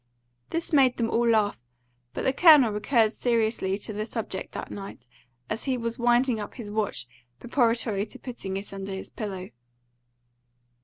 This made them all laugh. But the Colonel recurred seriously to the subject that night, as he was winding up his watch preparatory to putting it under his pillow.